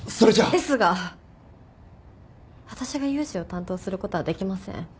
ですが私が融資を担当することはできません。